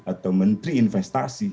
atau menteri investasi